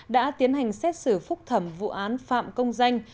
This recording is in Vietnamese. đã tiến hành xét xử phúc thẩm vụ án phạm công danh